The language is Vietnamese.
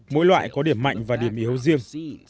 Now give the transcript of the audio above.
mỗi loại có điểm mạnh và điểm yếu riêng